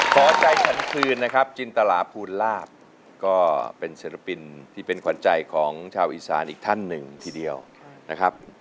ขอใจฉันคืนนะครับจินตราภูลาภก็เป็นศิลปินที่เป็นขวัญใจของชาวอีสานอีกท่านหนึ่งทีเดียวนะครับ